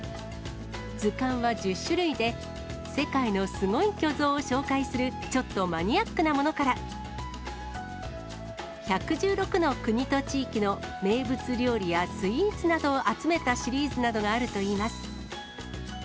図鑑は１０種類で、世界のすごい巨像を紹介する、ちょっとマニアックなものから、１１６の国と地域の名物料理やスイーツなどを集めたシリーズなどがあるといいます。